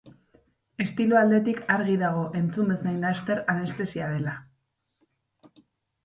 Estilo aldetik argi dago entzun bezain laster Anestesia dela.